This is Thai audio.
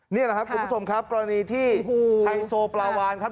นี่แหละครับคุณผู้ชมครับกรณีที่ไฮโซปลาวานครับ